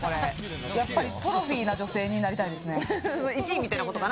やっぱりトロフィーな女性になり１位みたいなことかな？